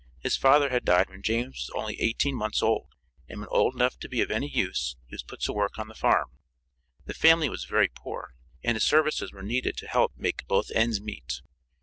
His father had died when James was only eighteen months old, and when old enough to be of any use he was put to work on the farm. The family was very poor, and his services were needed to help 'make both ends meet.'